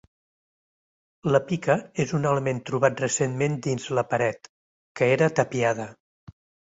La pica és un element trobat recentment dins la paret, que era tapiada.